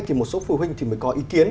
thì một số phụ huynh mới có ý kiến